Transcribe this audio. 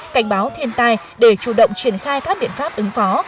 cảnh báo thiên tai để chủ động triển khai các biện pháp ứng phó